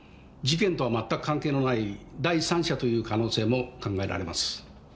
事件とはまったく関係のない第三者という可能性も考えられます。